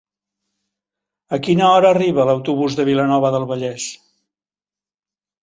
A quina hora arriba l'autobús de Vilanova del Vallès?